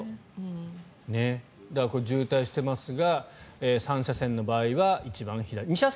渋滞してますが３車線の場合は一番左。